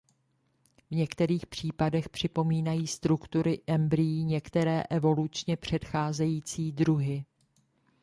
V některých případech připomínají struktury embryí některé evolučně předcházející druhy.